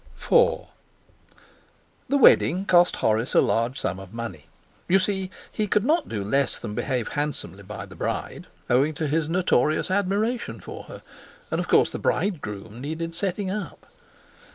IV The wedding cost Horace a large sum of money. You see, he could not do less than behave handsomely by the bride, owing to his notorious admiration for her; and of course the bridegroom needed setting up.